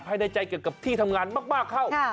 ในใจเกี่ยวกับที่ทำงานมากเข้า